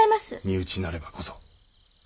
身内なればこそ。